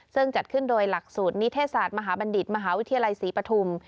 ซึ่งจัดขึ้นโดยหลักสูตรนิเทศศาสตร์มหาบัณฑิตมหาวิทยาลัยศรีปฐุม